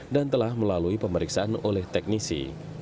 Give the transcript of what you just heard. dan telah melalui pemeriksaan oleh teknisi